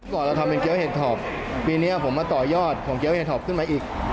เราทำเป็นเกี้ยเห็ดถอบปีนี้ผมมาต่อยอดของเกี้ยเห็ดถอบขึ้นมาอีก